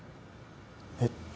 えっ？